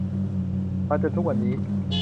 มาจนทุกวันนี้